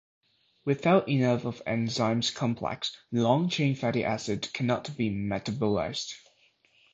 Without enough of this enzyme complex, long-chain fatty acids cannot be metabolized.